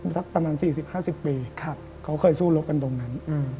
สักประมาณ๔๐๕๐ปีเขาเคยสู้รบกันตรงนั้น